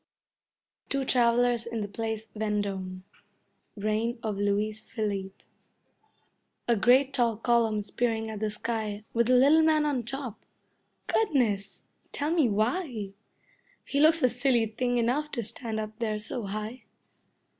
Two Travellers in the Place Vendome Reign of Louis Philippe A great tall column spearing at the sky With a little man on top. Goodness! Tell me why? He looks a silly thing enough to stand up there so high.